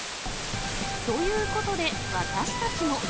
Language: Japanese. ということで、私たちも。